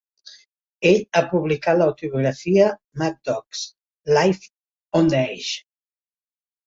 Ell ha publicat l'autobiografia "Mad Dogs: Life on the Edge".